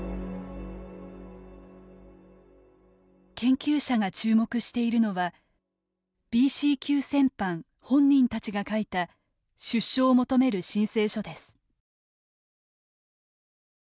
研究者が注目しているのはＢＣ級戦犯本人たちが書いた出所を求める申請書です。